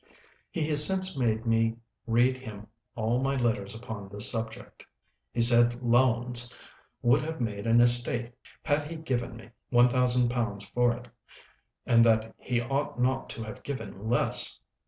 He has since made me read him all my letters upon this subject. He said Lowndes would have made an estate had he given me £1000 for it, and that he ought not to have given less!